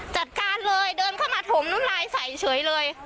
จัดการเลยเดินเข้ามาถมน้ำลายใส่เฉยเลย